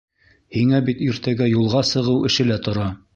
Һиңә бит иртәгә юлға сығыу эше лә тора.